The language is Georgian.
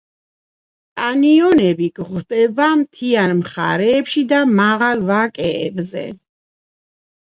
კანიონები გვხვდება მთიან მხარეებში და მაღალ ვაკეებზე.